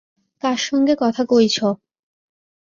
কার সঙ্গে কথা কইছ?